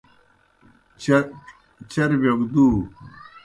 چربِیو گہ دُو۔